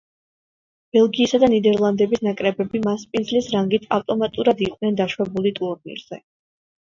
ბელგიისა და ნიდერლანდების ნაკრებები მასპინძლის რანგით ავტომატურად იყვნენ დაშვებული ტურნირზე.